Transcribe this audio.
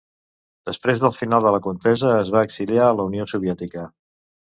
Després del final de la contesa es va exiliar a la Unió Soviètica.